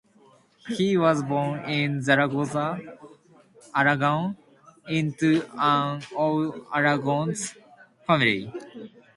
He was born in Zaragoza, Aragon, into an old Aragonese family.